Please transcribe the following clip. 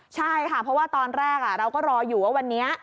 ใช่ค่ะเพราะว่าตอนแรกเราก็รออยู่ว่าวันนี้